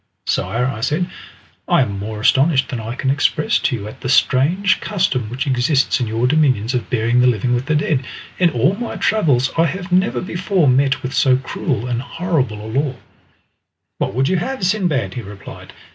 "Sire," I said, "I am more astonished than I can express to you at the strange custom which exists in your dominions of burying the living with the dead. In all my travels I have never before met with so cruel and horrible a law." "What would you have, Sindbad?" he replied.